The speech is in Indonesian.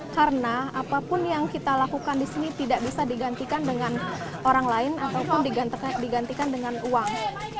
karena apapun yang kita lakukan di sini tidak bisa digantikan dengan orang lain ataupun digantikan dengan uang